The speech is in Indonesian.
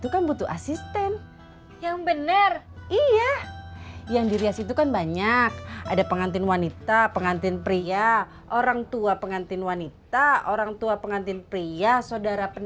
kalau begini caranya rugi aku